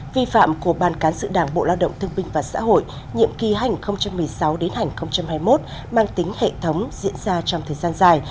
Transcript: vi phạm của ban cán sự đảng bộ lao động thương minh và xã hội nhiệm kỳ hành hai nghìn một mươi sáu hai nghìn hai mươi một mang tính hệ thống diễn ra trong thời gian dài